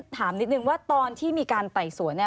ถามนิดนึงว่าตอนที่มีการไต่สวน